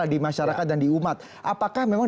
di masyarakat dan di umat apakah memang